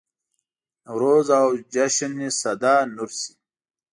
نوروز او جشن سده نور شي.